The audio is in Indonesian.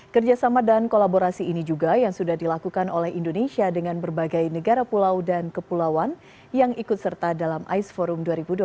kerjasama dan kolaborasi ini juga yang sudah dilakukan oleh indonesia dengan berbagai negara pulau dan kepulauan yang ikut serta dalam ais forum dua ribu dua puluh tiga